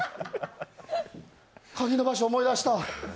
鍵の場所、思い出した。